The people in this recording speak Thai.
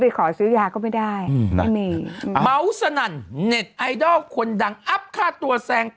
ขอซื้อยาก็ไม่ได้อืมเมาสนั่นเน็ตไอดอลคนดังอัพค่าตัวแซง